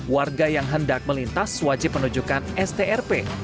warga yang hendak melintas wajib menunjukkan strp